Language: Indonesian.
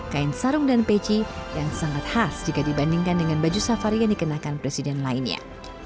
kain sarung dan peci yang sangat khas jika dibandingkan dengan baju safari yang dikenakan presiden lainnya